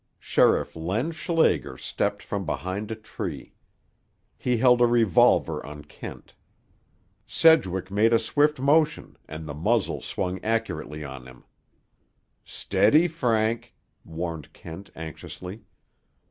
Sheriff Len Schlager stepped from behind a tree. He held a revolver on Kent. Sedgwick made a swift motion and the muzzle swung accurately on him. "Steady, Frank," warned Kent anxiously.